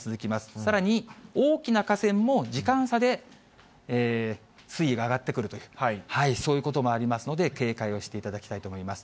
さらに、大きな河川も時間差で水位が上がってくるという、そういうこともありますので、警戒をしていただきたいと思います。